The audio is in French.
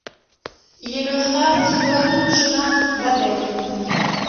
Il est le frère d'Yvonne Schnorf-Wabel.